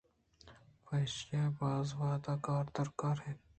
پہ ایشی ءَ باز وہد درکار بیت